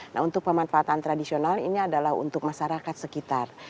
nah untuk pemanfaatan tradisional ini adalah untuk masyarakat sekitar